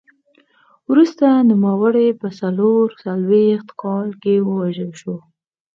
وروسته نوموړی په څلور څلوېښت کال کې ووژل شو